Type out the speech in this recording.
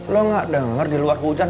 lo gak dengar di luar hujan